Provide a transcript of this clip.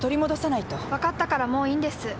分かったからもういいんです。